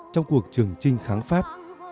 trong cuộc trường trinh kháng pháp